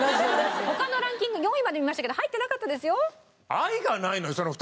他のランキング４位まで見ましたけど入ってなかったですよ。